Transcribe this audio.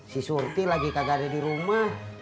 si surti lagi kagak ada di rumah